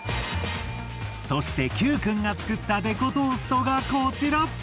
そしてキュウくんが作ったデコトーストがこちら！